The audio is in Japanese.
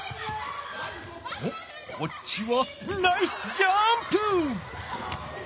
おっこっちはナイスジャンプ！